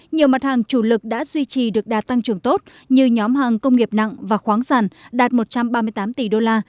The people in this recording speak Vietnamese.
nhiều mặt hàng chủ lực đã duy trì được đạt tăng trưởng tốt như nhóm hàng công nghiệp nặng và khoáng sản đạt một trăm ba mươi tám tỷ đô la